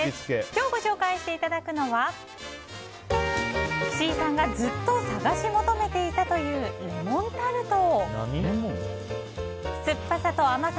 今日ご紹介していただくのは岸井さんがずっと探し求めていたというレモンタルト。